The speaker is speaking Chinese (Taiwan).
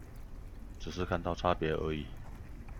只是看到的差別而已？